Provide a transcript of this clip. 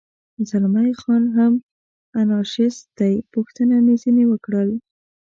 زلمی خان هم انارشیست دی، پوښتنه مې ځنې وکړل.